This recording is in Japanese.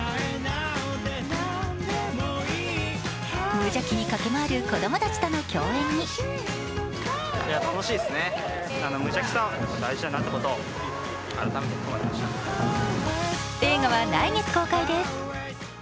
無邪気に駆け回る子供たちとの共演に映画は来月公開です。